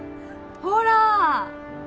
ほら！